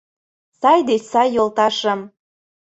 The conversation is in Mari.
Сай деч сай йолташым